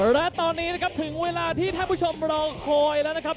และตอนนี้นะครับถึงเวลาที่ท่านผู้ชมรอคอยแล้วนะครับ